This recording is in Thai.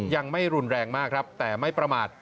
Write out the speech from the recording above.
ยังไม่รุนแรงมากครับแต่ไม่ประมาท